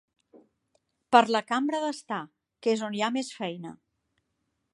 Per la cambra d'estar, que és on hi ha més feina.